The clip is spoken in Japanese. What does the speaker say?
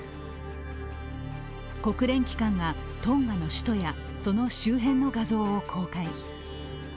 国連機関がトンガの首都やその周辺の画像を公開。